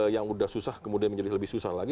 yang sudah susah kemudian menjadi lebih susah lagi